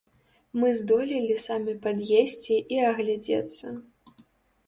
Мы здолелі самі пад'есці і агледзецца.